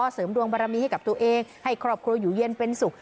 เสริมดวงบารมีให้กับตัวเองให้ครอบครัวอยู่เย็นเป็นสุข